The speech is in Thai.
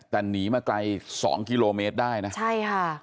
แต่หนีมาไกลสองกิโลเมตรได้นะใช่ค่ะ